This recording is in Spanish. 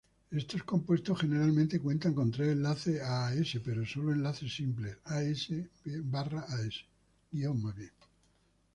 Estos compuestos generalmente cuentan con tres enlaces a As, pero sólo enlaces simples As-As.